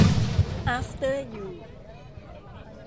อาฟเตอร์ ยู